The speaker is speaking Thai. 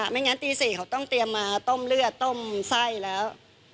ไม่งั้นตี๔เขาต้องเตรียมมาต้มเลือดต้มไส้แล้ว